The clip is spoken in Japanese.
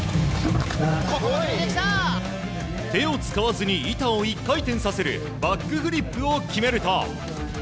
手を使わずに板を１回転させるバックフリップを決めると。